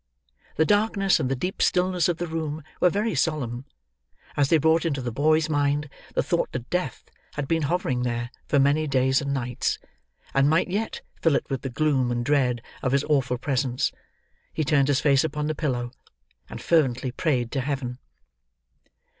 The darkness and the deep stillness of the room were very solemn; as they brought into the boy's mind the thought that death had been hovering there, for many days and nights, and might yet fill it with the gloom and dread of his awful presence, he turned his face upon the pillow, and fervently prayed to Heaven.